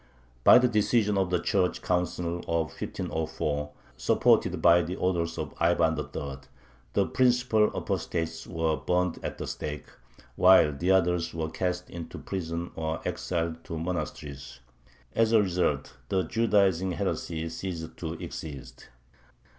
By the decision of the Church Council of 1504, supported by the orders of Ivan III., the principal apostates were burned at the stake, while the others were cast into prison or exiled to monasteries. As a result, the "Judaizing heresy" ceased to exist.